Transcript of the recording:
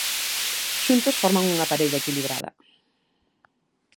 Xuntos forman unha parella equilibrada.